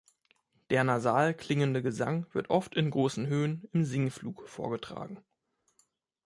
Der nasal klingende Gesang wird oft in große Höhen im Singflug vorgetragen.